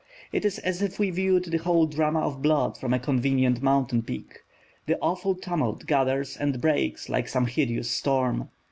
It is as if we viewed the whole drama of blood from a convenient mountain peak. The awful tumult gathers and breaks like some hideous storm.